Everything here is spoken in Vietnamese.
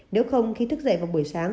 nếu không khi thức dậy vào buổi sáng